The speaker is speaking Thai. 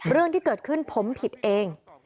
เรื่องที่เกิดขึ้นผมผิดเอง